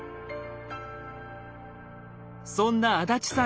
そんな足立さん